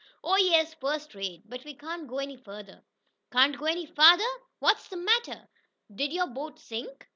"Oh, yes, first rate. But we can't go any farther." "Can't go any farther? What's the matter, did your boat sink?"